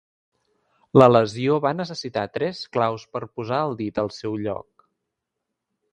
La lesió va necessitar tres claus per posar el dit al seu lloc.